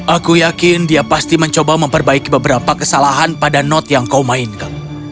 aku yakin dia pasti mencoba memperbaiki beberapa kesalahan pada note yang kau mainkan